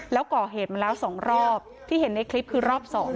แล้วก่อเหตุมาแล้ว๒รอบที่เห็นในคลิปคือรอบ๒